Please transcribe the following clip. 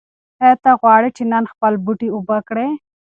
ایا ته غواړې چې نن خپل بوټي اوبه کړې؟